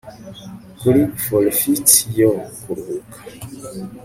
kuri forefeet yo kuruhuka